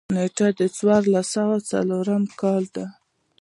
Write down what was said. نېټه د څوارلس سوه څلورم کال ده.